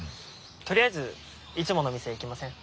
とりあえずいつもの店行きません？